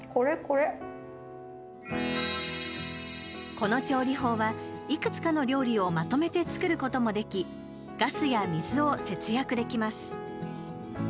この調理法はいくつかの料理をまとめて作ることもできガスや水を節約できます。